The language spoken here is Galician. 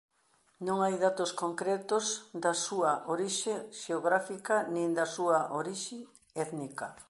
Non hai datos concretos da súa orixe xeográfica nin da súa orixe étnica.